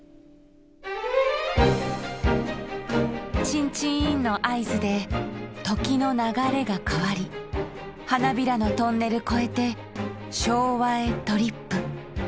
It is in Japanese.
チンチンの合図で時の流れが変わり花びらのトンネル越えて昭和へトリップ。